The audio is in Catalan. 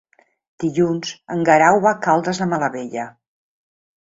Dilluns en Guerau va a Caldes de Malavella.